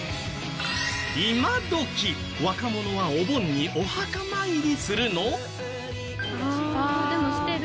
今どき若者はお盆にお墓参りするの？